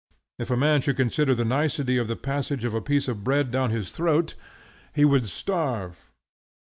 If a man should consider the nicety of the passage of a piece of bread down his throat, he would starve.